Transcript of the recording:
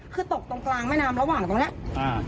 คือตกตรงกลางแม่น้ำระหว่างตรงเนี้ยอ่า